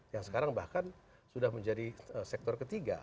yang sekarang bahkan sudah menjadi sektor ketiga